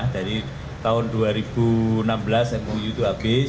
dari tahun dua ribu enam belas mou itu habis